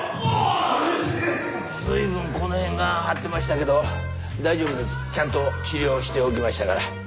随分この辺が張ってましたけど大丈夫ですちゃんと治療しておきましたから。